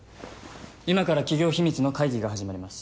今から企業秘密の会議が始まります。